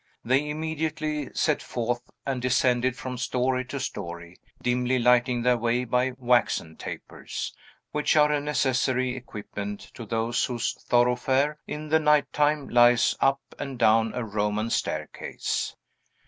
They immediately set forth and descended from story to story, dimly lighting their way by waxen tapers, which are a necessary equipment to those whose thoroughfare, in the night time, lies up and down a Roman staircase.